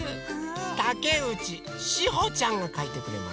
たけうちしほちゃんがかいてくれました。